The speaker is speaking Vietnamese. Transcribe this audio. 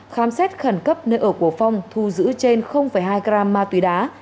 khám xét khẩn cấp nơi ở của phong thu giữ trên hai gram ma túy đá